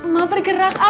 mak bergerak ah